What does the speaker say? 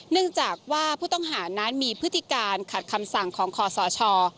เนื่องจากว่าผู้ต้องหานั้นมีพฤติการขัดคำสั่งของคอสช